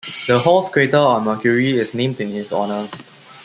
The Hals crater on Mercury is named in his honor.